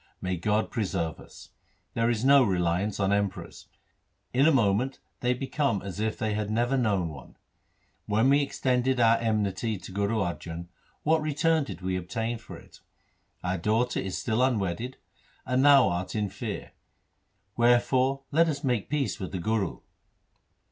May God preserve us ! There is no reliance on Emperors. In a moment they become as if they had never known one. When we extended our enmity to Guru Arjan, what return did we obtain for it ? Our daughter is still un wedded, and thou art in fear. Wherefore let us make peace with the Guru.'